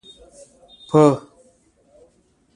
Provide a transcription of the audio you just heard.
په